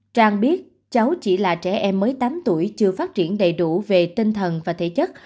trang biết cháu chỉ là trẻ em mới tám tuổi chưa phát triển đầy đủ về tinh thần và thể chất